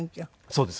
そうです。